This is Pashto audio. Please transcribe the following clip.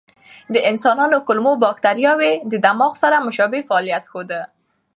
د انسانانو کولمو بکتریاوې د دماغ سره مشابه فعالیت ښود.